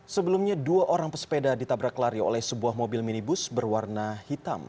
sebelumnya dua orang pesepeda ditabrak lari oleh sebuah mobil minibus berwarna hitam